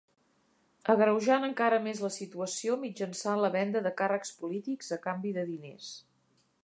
Agreujant encara més la situació mitjançant la venda de càrrecs polítics a canvi de diners.